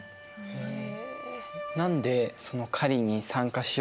へえ。